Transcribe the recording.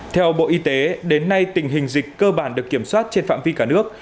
theo bộ y tế đến nay tình hình dịch cơ bản được kiểm soát trên phạm vi cả nước